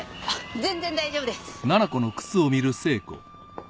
全然大丈夫です。